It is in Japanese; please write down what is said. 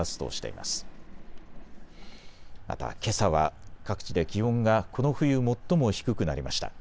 また、けさは各地で気温がこの冬最も低くなりました。